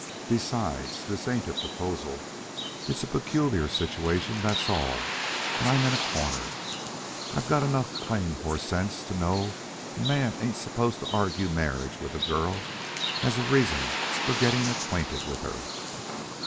Besides, this ain't a proposal. It's a peculiar situation, that's all, and I'm in a corner. I've got enough plain horse sense to know a man ain't supposed to argue marriage with a girl as a reason for getting acquainted with her.